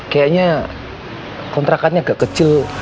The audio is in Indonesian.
kayaknya kontrakannya agak kecil